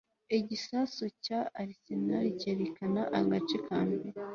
Igisasu cya Arsenal cyerekana agace kambere